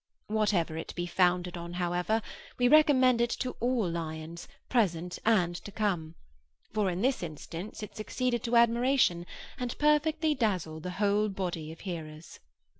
Whatever it be founded on, however, we recommend it to all lions, present and to come; for in this instance it succeeded to admiration, and perfectly dazzled the whole body of hearers.